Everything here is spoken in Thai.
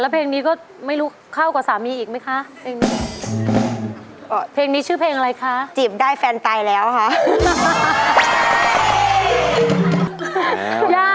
เพลงเก่าเนอะ